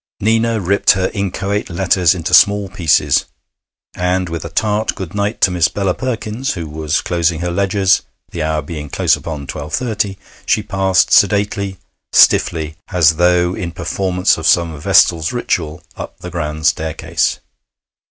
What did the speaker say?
Nina ripped her inchoate letters into small pieces, and, with a tart good night to Miss Bella Perkins, who was closing her ledgers, the hour being close upon twelve thirty, she passed sedately, stiffly, as though in performance of some vestal's ritual, up the grand staircase.